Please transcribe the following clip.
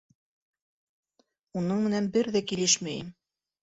Уның менән бер ҙә килешмәйем.